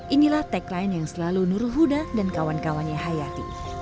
inilah tagline yang selalu nurul huda dan kawan kawannya hayati